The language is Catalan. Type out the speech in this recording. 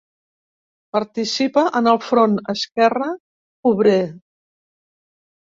Participa en el Front Esquerre Obrer.